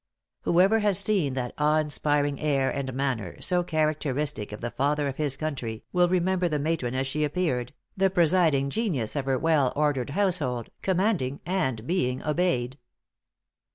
Whoever has seen that awe inspiring air and manner, so characteristic of the Father of his country, will remember the matron as she appeared, the presiding genius of her well ordered household, commanding and being obeyed."